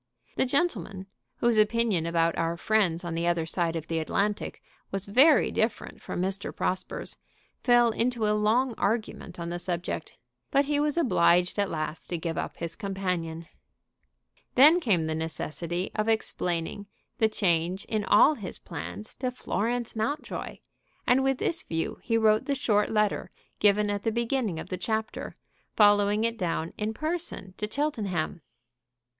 The gentleman, whose opinion about our friends on the other side of the Atlantic was very different from Mr. Prosper's, fell into a long argument on the subject. But he was obliged at last to give up his companion. Then came the necessity of explaining the change in all his plans to Florence Mountjoy, and with this view he wrote the short letter given at the beginning of the chapter, following it down in person to Cheltenham.